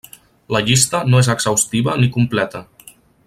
La llista no és exhaustiva ni completa.